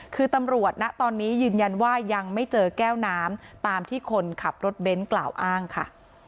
คือตำรวจนะตอนนี้ยืนยันว่ายังไม่เจอแก้วน้ำตามที่คนขับรถเบนท์กล่าวอ้างค่ะ